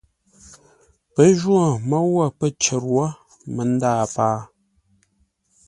Pə́ jwô môu wə̂ pə̂ cər wó mə́ ndâa pâa.